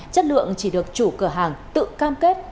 chất lượng chỉ được chủ cửa hàng tự cam kết